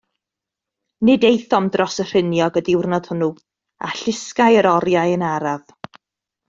Nid aethom dros y rhiniog y diwrnod hwnnw, a llusgai yr oriau yn araf.